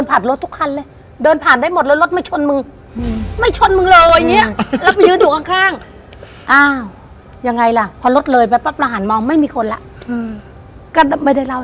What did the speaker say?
อ่าเราตอกครบวงจรเลยหมื่นห้าครับ